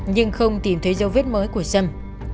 nhưng không tìm thấy dấu vết mới của sâm